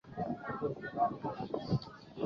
圣阿莱舒是葡萄牙波塔莱格雷区的一个堂区。